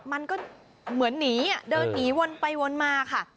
มันก็เหมือนนีเดอะนีเวินไปเว้นมาค่ะ